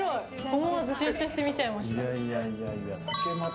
思わず集中して見ちゃいました。